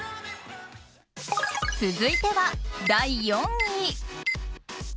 続いては、第４位。